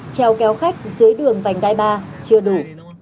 treo kéo khách dưới đường vành đai ba chưa đủ